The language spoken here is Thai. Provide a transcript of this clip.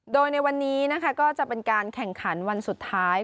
โดยในวันนี้นะคะก็จะเป็นการแข่งขันวันสุดท้าย